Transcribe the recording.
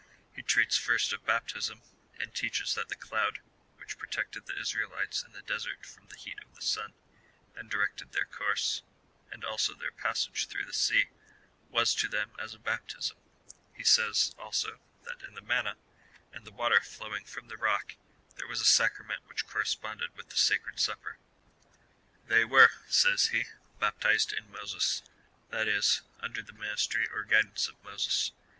He treats first of baptism, and teaches that the cloud, which protected the Israelites in the desert from the heat of the sun, and directed their course, and also their passage through the sea, was to them as a baptism. He says, also, that in the manna, and the water flowing from the rock, there was a sacrament which corresponded with the sacred Supper. They were, says he, baptized in Moses, that is, under the ministry or guidance of Moses.